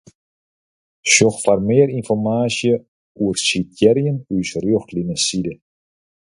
Sjoch foar mear ynformaasje oer sitearjen ús Rjochtlineside.